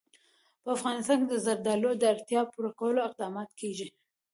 په افغانستان کې د زردالو د اړتیاوو پوره کولو اقدامات کېږي.